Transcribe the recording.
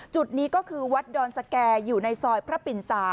จุดนี้ก็คือวัดดอนสแก่อยู่ในซอยพระปิ่น๓